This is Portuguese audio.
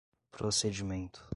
procedimento